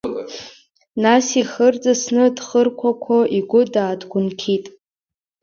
Нас ихы рҵысны дхырқәақәо игәы дааҭагәынқьит…